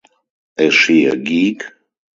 Is she a geek?